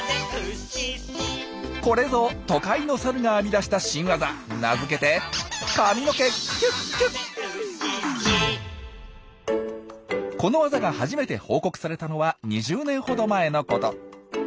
これぞ都会のサルが編み出した新ワザ名付けてこのワザが初めて報告されたのは２０年ほど前のこと。